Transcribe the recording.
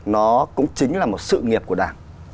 nó cũng chính là một sự nghiệp của đảng